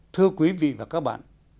thưa quý vị và các bạn